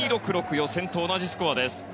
予選と同じスコアです。